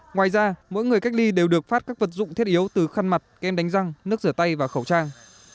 ngoài ra mỗi người cách ly đều được phát các vật dụng thiết yếu từ khăn mặt kem đánh răng nước rửa tay và khẩu trang